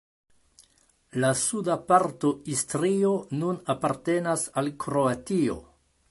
La suda parto Istrio nun apartenas al Kroatio.